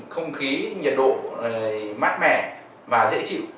không khí nhiệt độ mát mẻ và dễ chịu